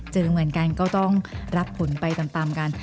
เจอเหมือนกันก็ต้องรับผลไปตามกัน